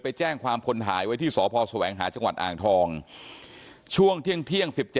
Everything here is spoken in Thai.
น้องจ้อยนั่งก้มหน้าไม่มีใครรู้ข่าวว่าน้องจ้อยเสียชีวิตไปแล้ว